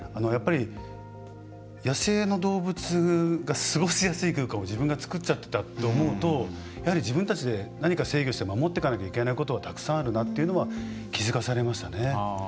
やっぱり、野生の動物が過ごしやすい空間を自分が作っちゃってたって思うとやはり自分たちで、何か制御して守っていかなきゃいけないことはたくさんあるなっていうのは気付かされましたね。